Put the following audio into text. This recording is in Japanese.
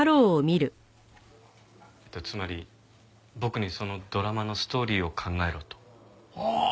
つまり僕にそのドラマのストーリーを考えろと？はあ